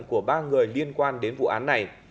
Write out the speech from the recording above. của ba người liên quan đến vụ án này